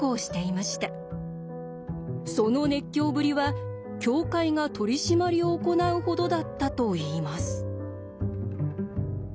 その熱狂ぶりは教会が取り締まりを行うほどだったといいます。